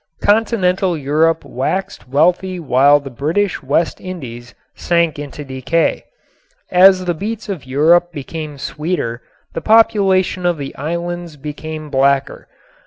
Continental Europe waxed wealthy while the British West Indies sank into decay. As the beets of Europe became sweeter the population of the islands became blacker.